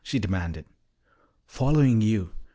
she demanded. "Following you.